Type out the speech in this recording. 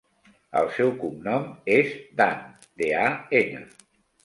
El seu cognom és Dan: de, a, ena.